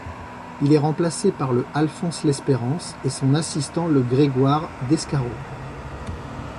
Il est remplacé par le Alphonse l'Espérance et son assistant le Grégoire Descarreaux.